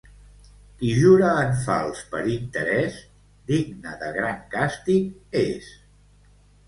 Qui jura en fals per interès, digne de gran càstig és.